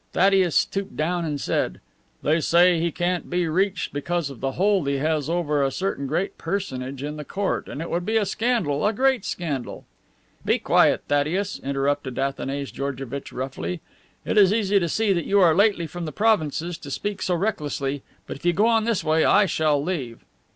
Thaddeus stooped down and said, "They say that he can't be reached because of the hold he has over a certain great personage in the court, and it would be a scandal a great scandal." "Be quiet, Thaddeus," interrupted Athanase Georgevitch, roughly. "It is easy to see that you are lately from the provinces to speak so recklessly, but if you go on this way I shall leave."